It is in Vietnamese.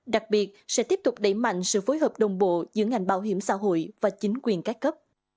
đặc biệt sẽ tiếp tục đẩy mạnh sự phối hợp đồng bộ giữa ngành bảo hiểm xã hội và chính quyền các cấp